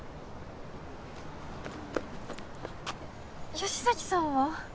吉崎さんは？